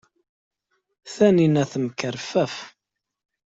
Taninna temkerfaf.